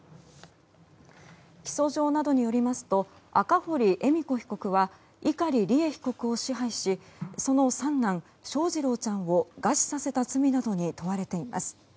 起訴状などによりますと赤堀恵美子被告は碇利恵被告を支配しその三男・翔士郎ちゃんを餓死させた罪などに問われています。